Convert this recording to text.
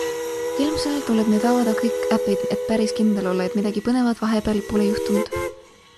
Ilmselt tuleb nüüd avada kõik äpid, et päris kindel olla, et midagi põnevat vahepeal pole juhtunud.